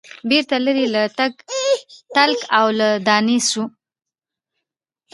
بیرته لیري له تلک او له دانې سو